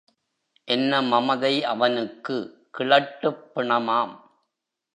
என்ன மமதை அவனுக்கு, கிழட்டுப் பிணமாம்.